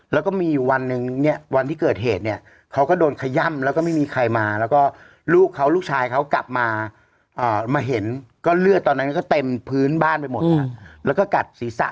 อ๋อแล้วก็ลูกเขาลูกชายเขากลับมาอ่ามาเห็นก็เลือดตอนนั้นนี่ก็เต็มพื้นบ้านไปหมดอืมแล้วก็กัดศรีศะ